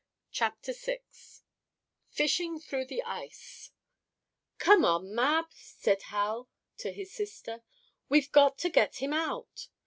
CHAPTER VI FISHING THROUGH THE ICE "Come on, Mab," cried Hal, to his sister. "We've got to get him out!